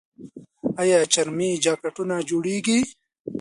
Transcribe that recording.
آیا چرمي جاکټونه جوړیږي؟